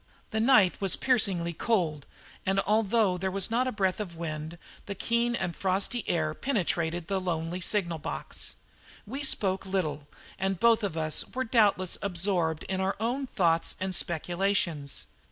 The night was piercingly cold, and, although there was not a breath of wind, the keen and frosty air penetrated into the lonely signal box. We spoke little, and both of us were doubtless absorbed by our own thoughts and speculations.